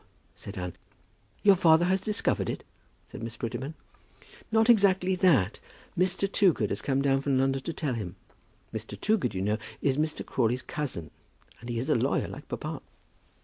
said Anne. "Your father has discovered it?" said Miss Prettyman. "Not exactly that. Mr. Toogood has come down from London to tell him. Mr. Toogood, you know, is Mr. Crawley's cousin; and he is a lawyer, like papa."